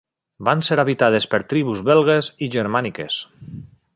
Van ser habitades per tribus belgues i germàniques.